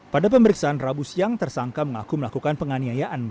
pada pemeriksaan rabu siang tersangka mengaku melakukan penganiayaan